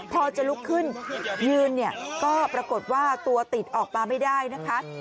พอจะลุกขึ้นยืนเนี่ยก็ปรากฏว่าตัวติดออกมาไม่ได้นะคะ